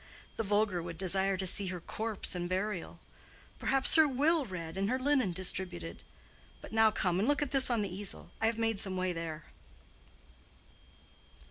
The vulgar would desire to see her corpse and burial—perhaps her will read and her linen distributed. But now come and look at this on the easel. I have made some way there."